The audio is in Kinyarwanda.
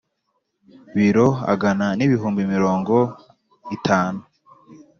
Biro angana n ibihumbi mirongo itanu